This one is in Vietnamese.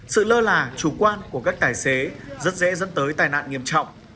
sự lơ là chủ quan của các tài xế rất dễ dẫn tới tai nạn nghiêm trọng